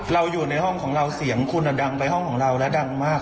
อยู่ในห้องของเราเสียงคุณดังไปห้องของเราและดังมาก